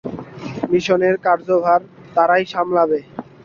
মিশনের কার্যভার তারাই সামলাবে।